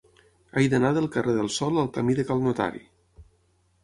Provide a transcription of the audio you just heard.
He d'anar del carrer del Sol al camí de Cal Notari.